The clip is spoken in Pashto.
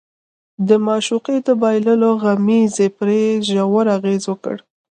د معشوقې د بايللو غمېزې پرې ژور اغېز وکړ.